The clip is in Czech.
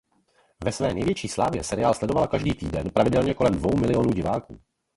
Ve své největší slávě seriál sledovalo každý týden pravidelně kolem dvou miliónů diváků.